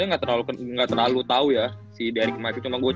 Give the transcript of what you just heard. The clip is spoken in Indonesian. matt boner liat mukanya kayak gitu doang